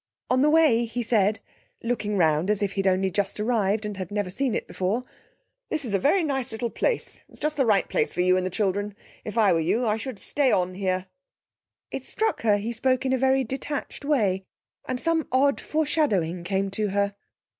On the way he said, looking round as if he had only just arrived and had never seen it before: 'This is a very nice little place. It's just the right place for you and the children. If I were you, I should stay on here.' It struck her he spoke in a very detached way, and some odd foreshadowing came to her.